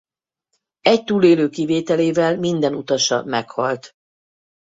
Egy túlélő kivételével minden utasa meghalt.